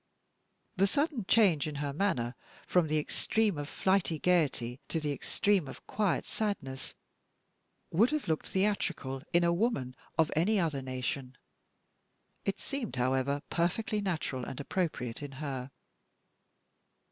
The sudden change in her manner, from the extreme of flighty gayety to the extreme of quiet sadness, would have looked theatrical in a woman of any other nation. It seemed, however, perfectly natural and appropriate in her.